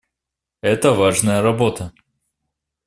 Это важная работа.